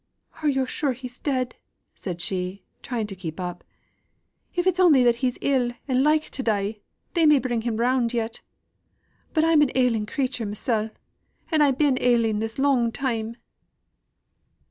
Are yo' sure he's dead?" said she, trying to get up. "If it's only that he's ill and like to die, they may bring him round yet. I'm but an ailing creature mysel' I've been ailing this long time."